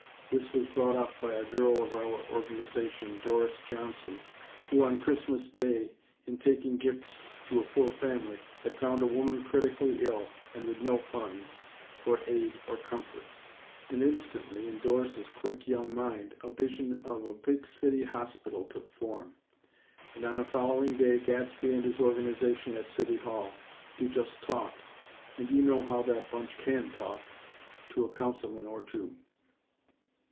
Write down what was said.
This was brought up by a girl of our Organization, Doris Johnson, who, on Christmas Day, in taking gifts to a poor family, had found a woman critically ill, and with no funds for aid or comforts; and instantly, in Doris' quick young mind a vision of a big city hospital took form; and, on a following day Gadsby had his Organization at City Hall, to "just talk," (and you know how that bunch can talk!) to a Councilman or two.